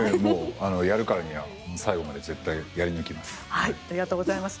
やるからには最後まで絶対やり抜きます。